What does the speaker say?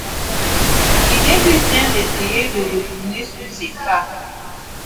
L'idée lui vint d'essayer de retourner sur ses pas.